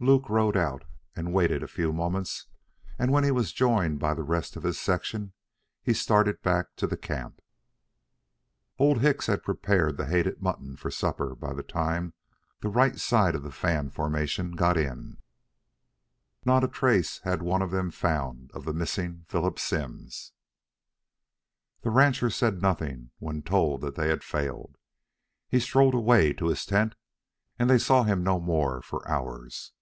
Luke rode out and waited a few moments, and when joined by the rest of his section, started back to the camp. Old Hicks had prepared the hated mutton for supper by the time the right side of the fan formation got in. Not a trace had one of them found of the missing Philip Simms. The rancher said nothing when told that they had failed. He strode away to his tent and they saw him no more for hours.